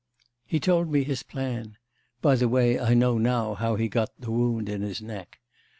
He told me his plan (by the way, I know now how he got the wound in his neck....